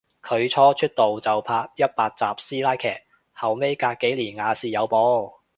佢初出道就拍一百集師奶劇，後尾隔幾年亞視有播